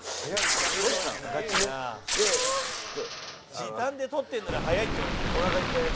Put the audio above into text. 「時短で撮ってんのに早いって言われてんの」